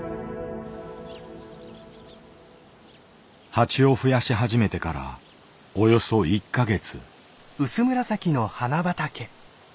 蜂をふやし始めてからおよそ１か月。